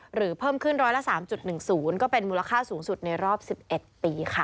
หรือเพิ่มขึ้น๑๐๓๑๐ก็เป็นมูลค่าสูงสุดในรอบ๑๑ปีค่ะ